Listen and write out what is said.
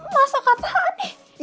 masak kata aneh